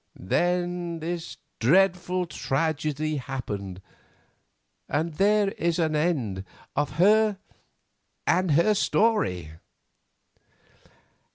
Then this dreadful tragedy happened, and there is an end of her and her story."